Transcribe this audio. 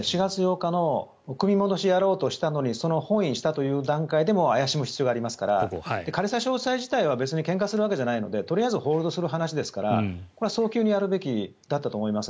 ４月８日の組み戻しをしようとしてその翻意したという段階でも怪しむ必要がありますから仮差し押さえ自体はけんかするわけじゃないのでとりあえずホールドする話なので早急にやるべきだったと思います。